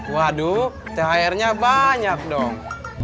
waduh thr nya banyak dong